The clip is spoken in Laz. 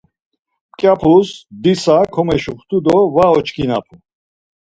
Mǩyapus dzitsa komeşuxtu do var oçkinapu.